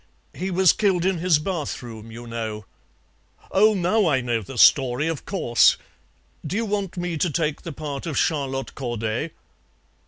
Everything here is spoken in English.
He was killed in his bathroom, you know." "Oh, now I know the story, of course. Do you want me to take the part of Charlotte Corday?"